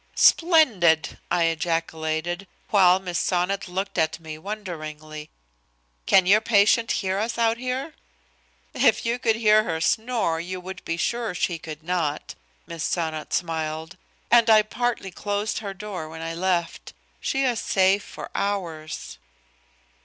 "Splendid!" I ejaculated, while Miss Sonnot looked at me wonderingly. "Can your patient hear us out here?" "If you could hear her snore you would be sure she could not," Miss Sonnot smiled. "And I partly closed her door when I left. She is safe for hours."